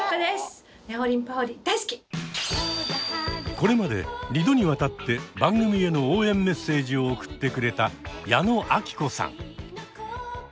これまで２度にわたって番組への応援メッセージを送ってくれた矢野顕子さん。